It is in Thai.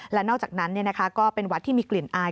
และนอกจากนั้นก็เป็นวัดที่มีกลิ่นอาย